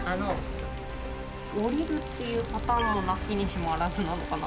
下りるっていうパターンもなきにしもあらずなのかな。